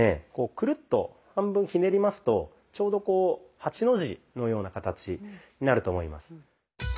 くるっと半分ひねりますとちょうどこう８の字のような形になると思います。